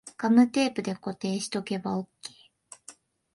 ガムテープで固定しとけばオッケー